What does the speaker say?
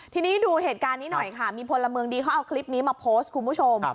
ทีนี้ดูเหตุการณ์นี้หน่อยค่ะมีพลเมืองดีเขาเอาคลิปนี้มาโพสต์คุณผู้ชม